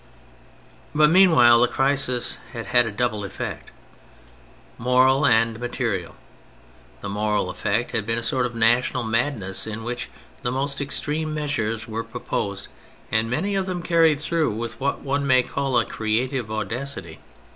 But meanwhile the crisis had had a double effect, moral and material. The moral effect had been a sort of national madness in which the most extreme measures were proposed and many of them carried through with what one may call a creative audacity.